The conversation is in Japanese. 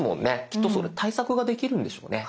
きっとその対策ができるんでしょうね。